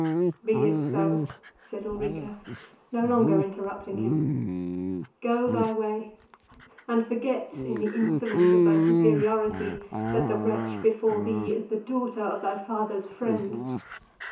"Be it so," said Ulrica, no longer interrupting him; "go thy way, and forget, in the insolence of thy superority, that the wretch before thee is the daughter of thy father's friend.